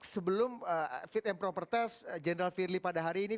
sebelum fit and properties general firli pada hari ini